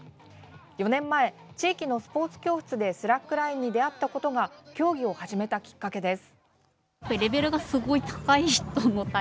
４年前、地域のスポーツ教室でスラックラインに出会ったことが競技を始めたきっかけです。